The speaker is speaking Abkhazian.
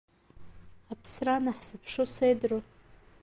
Аԥсра анаҳзыԥшу седру!